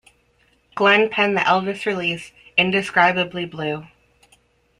Glenn penned the Elvis release "Indescribably Blue".